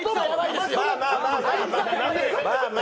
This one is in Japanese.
まあまあまあ。